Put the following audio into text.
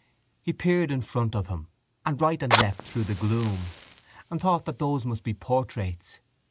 He peered in front of him and right and left through the gloom and thought that those must be portraits.